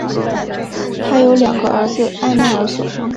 她有两个儿子艾麦尔所生的。